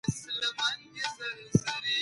نو یو ډول ستړیا احساسوو.